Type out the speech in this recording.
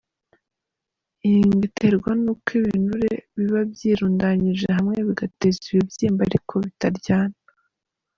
Iyi ngo iterwa n’ uko ibinure biba byirundanyije hamwe bigateza ibibyimba ariko bitaryana .